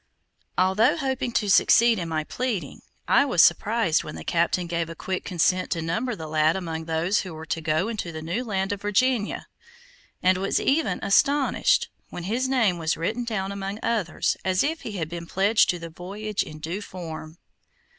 Although hoping to succeed in my pleading, I was surprised when the captain gave a quick consent to number the lad among those who were to go into the new land of Virginia, and was even astonished when his name was written down among others as if he had been pledged to the voyage in due form.